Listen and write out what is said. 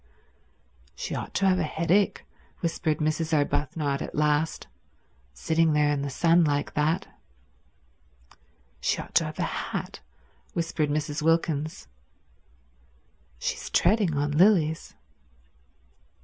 "She ought to have a headache," whispered Mrs. Arbuthnot at last, "sitting there in the sun like that." "She ought to have a hat," whispered Mrs. Wilkins. "She is treading on lilies."